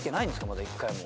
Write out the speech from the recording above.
まだ一回も。